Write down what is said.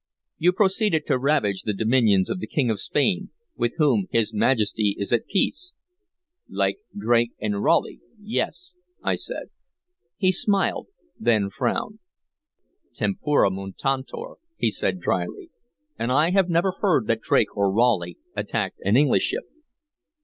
"You proceeded to ravage the dominions of the King of Spain, with whom his Majesty is at peace" "Like Drake and Raleigh, yes," I said. He smiled, then frowned "Tempora mutantur," he said dryly. "And I have never heard that Drake or Raleigh attacked an English ship."